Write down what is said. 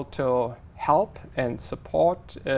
world bank sử dụng